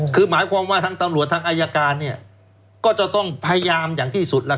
คือหมายความว่าทั้งตำรวจทางอายการเนี่ยก็จะต้องพยายามอย่างที่สุดล่ะ